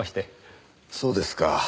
そうですか。